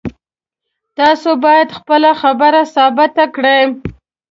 تاسو باید خپله خبره ثابته کړئ